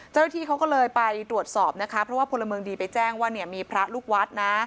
เจ้าหน้าที่เขาก็เลยไปตรวจสอบนะคะเพราะว่าพลเมืองดีไปแจ้งว่าเนี่ยมีพระลูกวัดนะ